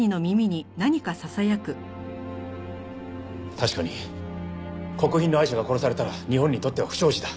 確かに国賓のアイシャが殺されたら日本にとっては不祥事だ。